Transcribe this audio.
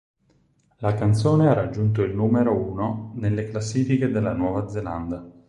La canzone ha raggiunto il numero uno nelle classifiche della Nuova Zelanda.